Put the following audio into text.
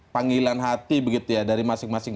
panggilan hati begitu ya dari masing masing